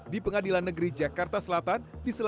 di pengadilan negeri jakarta selatan